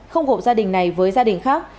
không gộp gia đình này với gia đình khác